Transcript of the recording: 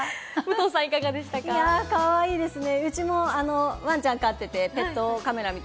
かわいいですね。